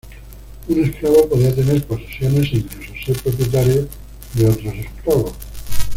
Un esclavo podía tener posesiones e incluso ser propietario de otros esclavos.